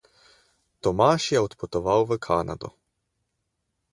Tomaž je odpotoval v Kanado.